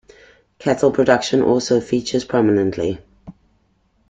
Cattle production also features prominently.